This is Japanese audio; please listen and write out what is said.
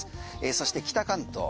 そして北関東。